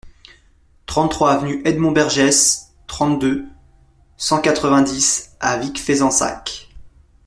trente-trois avenue Edmond Bergès, trente-deux, cent quatre-vingt-dix à Vic-Fezensac